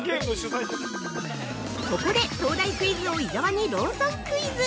◆ここで東大クイズ王伊沢にローソンクイズ！